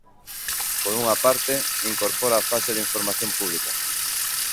Por unha parte, incorpora a fase de información pública.